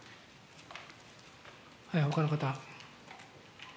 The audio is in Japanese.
ほかの方。